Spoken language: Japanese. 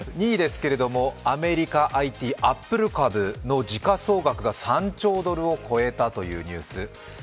２位ですけど、アメリカＩＴ株アップル株が３兆ドルを超えたというニュース。